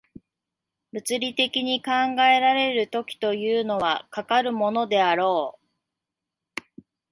物理的に考えられる時というのは、かかるものであろう。